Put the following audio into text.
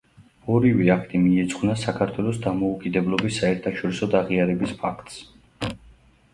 ორივე აქტი მიეძღვნა საქართველოს დამოუკიდებლობის საერთაშორისოდ აღიარების ფაქტს.